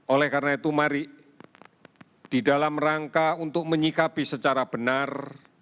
oleh karena itu mari di dalam rangka untuk menyikapi secara benar